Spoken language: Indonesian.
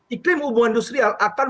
iklim hubungan industrial akan